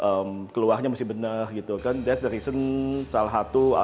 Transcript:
that's the reason salah satu hal yang harus diperhatikan that's the reason salah satu hal yang harus diperhatikan